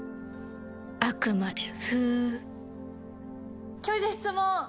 あくまで「風」教授質問！